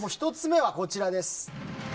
１つ目はこちらです。